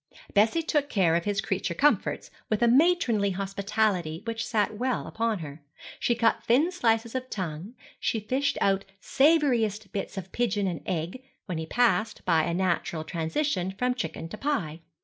Bessie took care of his creature comforts with a matronly hospitality which sat well upon her. She cut thin slices of tongue, she fished out savouriest bits of pigeon and egg, when he passed, by a natural transition, from chicken to pie.